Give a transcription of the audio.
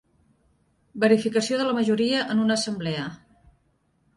Verificació de la majoria en una assemblea.